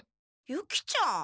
ユキちゃん。